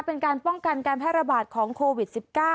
เป็นการป้องกันการแพร่ระบาดของโควิด๑๙